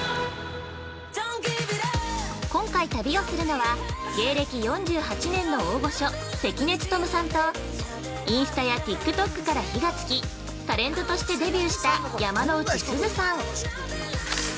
今回旅をするのは、芸歴４８年の大御所、関根勤さんとインスタやＴｉｋＴｏｋから火がつきタレントとしてデビューした山之内すずさん。